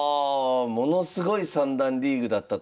ものすごい三段リーグだったと。